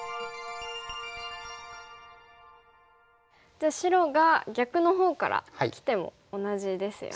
じゃあ白が逆のほうからきても同じですよね。